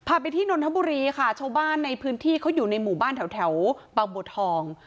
ไปที่นนทบุรีค่ะชาวบ้านในพื้นที่เขาอยู่ในหมู่บ้านแถวบางบัวทอง